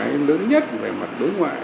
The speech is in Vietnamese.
cái lớn nhất về mặt đối ngoại